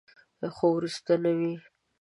خو وروستۍ نه وه.